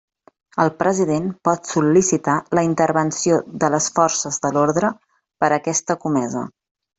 El president pot sol·licitar la intervenció de les forces de l'orde per a aquesta comesa.